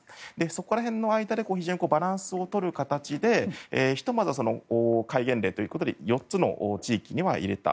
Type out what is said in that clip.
そこら辺の間で非常にバランスを取る形でひとまず戒厳令ということで４つの地域には入れた。